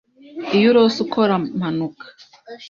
Iyo urose ukora mpanuka